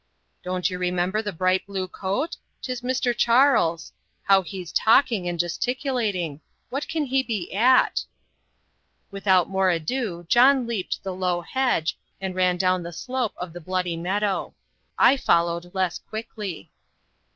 "Don't you remember the bright blue coat? 'Tis Mr. Charles. How he's talking and gesticulating! What can he be at?" Without more ado John leaped the low hedge, and ran down the slope of the Bloody Meadow. I followed less quickly.